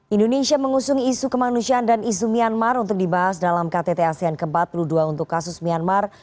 indonesia mengusung isu kemanusiaan dan isu myanmar untuk dibahas dalam ktt asean ke empat puluh dua untuk kasus myanmar